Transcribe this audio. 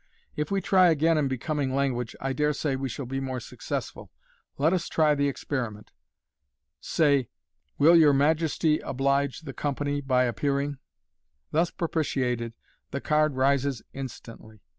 If we try again in becoming language, I dare say we shall be more successful. Let us try the experiment. Say, ' Will your Majesty oblige the com pany by appearing ?" Thus propitiated, the card rises instantly.